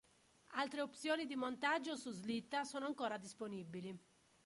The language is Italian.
Altre opzioni di montaggio su slitta sono ancora disponibili.